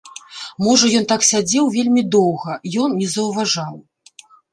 Можа ён так сядзеў вельмі доўга, ён не заўважаў.